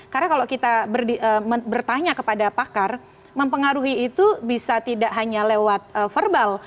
karena kalau kita bertanya kepada pakar mempengaruhi itu bisa tidak hanya lewat verbal